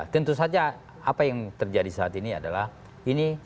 tentu saja apa yang terjadi saat ini adalah ini